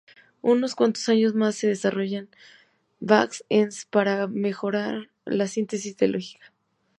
Unos cuantos años más, se desarrollaron backs-ends para mejorar la síntesis de lógica.